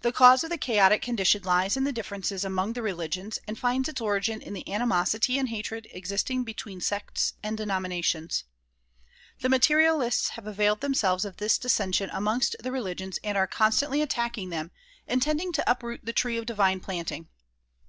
The cause of the chaotic condition lies in the differences among the religions, and tinds its origin in the animosity and hatred existing between sects and denominations. The materialists have availed themselves of this dissension amongst the religions and are constantly attacking them, intending to uproot the tree of divine planting.